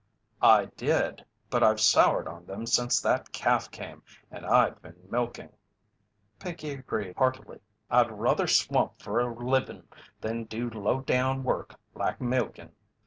"I did. But I've soured on them since that calf came and I've been milking." Pinkey agreed heartily: "I'd ruther 'swamp' fer a livin' than do low down work like milkin'."